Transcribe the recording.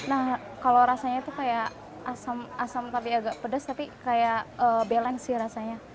nah kalau rasanya itu kayak asam tapi agak pedas tapi kayak balance sih rasanya